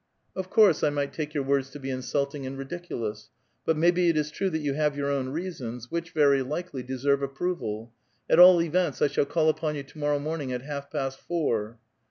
*' Of course I might take your words to be insulting and ridiculous; but maybe it is true that you have your own reasons, which, very likely, deserve approval. At all events, I shall call upon you to morrow morning at half past four."